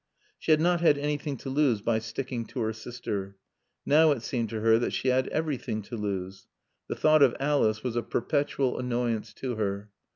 She had not had anything to lose by sticking to her sister. Now it seemed to her that she had everything to lose. The thought of Alice was a perpetual annoyance to her.